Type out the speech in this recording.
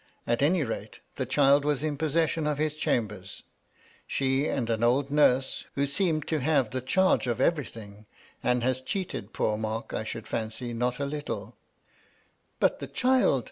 At any rate, the child was in possession of his chambers ; she and an old nurse, who seemed to have the charge of everything, and has cheated poor Mark, I should fancy, not a littla" " But the child